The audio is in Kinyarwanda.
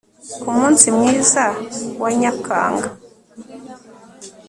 ku munsi mwiza wa nyakanga